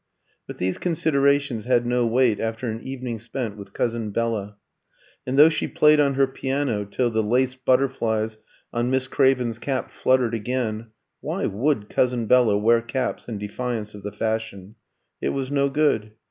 But these considerations had no weight after an evening spent with cousin Bella. And though she played on her piano till the lace butterflies on Miss Craven's cap fluttered again (why would cousin Bella wear caps in defiance of the fashion?), it was no good.